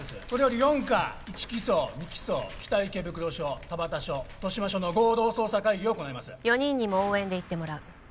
これより四課１機捜２機捜北池袋署田畑署豊島署の合同捜査会議を行います４人にも応援で行ってもらう